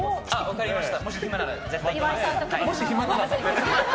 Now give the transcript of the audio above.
分かりました。